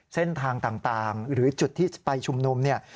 เส้นทางต่างหรือจุดที่จะไปชุมนุมเนี่ย